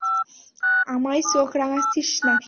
আমায় চোখ রাঙাচ্ছিস নাকি?